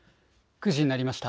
９時になりました。